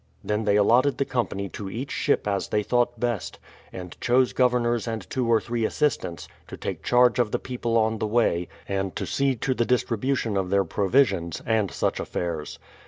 Then they allotted the company to each ship as they thought best, and chose governors and two or three assistants, to take charge of the people on the way, and to see to the distribution of their provisions, and such affairs.